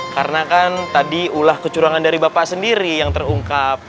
karena kan tadi ulah kecurangan dari bapak sendiri yang terungkap